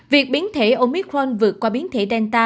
việc biến thể omicron vượt qua biến thể delta